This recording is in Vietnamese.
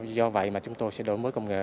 do vậy mà chúng tôi sẽ đổi mới công nghệ